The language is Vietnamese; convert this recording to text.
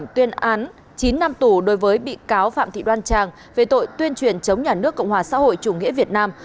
tuyên án chín năm tù đối với bị cáo phạm thị đoan trang về tội tuyên truyền chống nhà nước cộng hòa xã hội chủ nghĩa việt nam